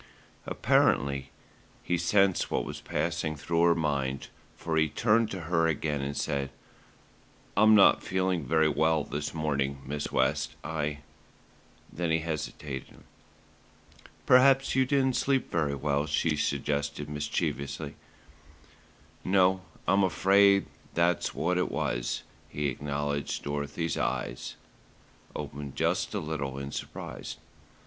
Apparently he sensed what was passing through her mind, for he turned to her again and said: "I'm not feeling very well this morning, Miss West, I " Then he hesitated. "Perhaps you didn't sleep very well," she suggested mischievously. "No, I'm afraid that's what it was," he acknowledged Dorothy's eyes opened just a little in surprise.